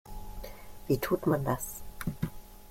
Wie tut man das?